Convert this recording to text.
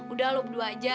udah lo berdua aja